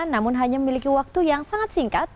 namun hanya memiliki waktu yang sangat singkat